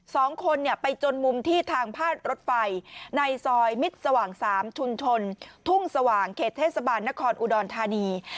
สองคนเนี่ยไปจนมุมที่ทางพาดรถไฟในซอยมิตรสว่างสามชุมชนทุ่งสว่างเขตเทศบาลนครอุดรธานี